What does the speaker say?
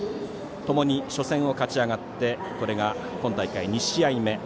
ともに初戦を勝ちあがってこれが今大会２試合目。